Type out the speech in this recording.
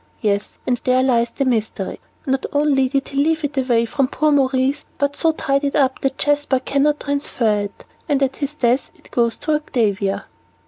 "Yes, and there lies the mystery. Not only did he leave it away from poor Maurice, but so tied it up that Jasper cannot transfer it, and at his death it goes to Octavia."